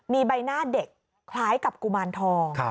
มีใบหน้าเด็กคล้ายกับกุมารทอง